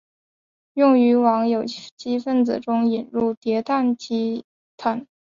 用于往有机分子中引入叠氮基团。